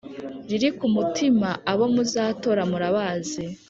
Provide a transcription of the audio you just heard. riri ku mutima abo muzatora murabazi.